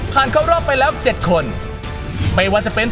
ผ่านเข้ารอบไปแล้ว๗คน